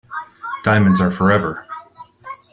Diamonds are forever.